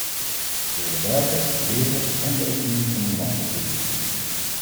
Ze willen werken, leren en de economie van hun land ontwikkelen.